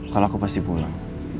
kalau aku pasti pulang